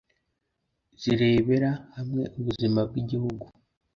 zirebera hamwe ubuzima bw'igihugu.